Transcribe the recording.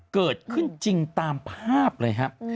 เกิดขึ้นจริงตามภาพเลยครับ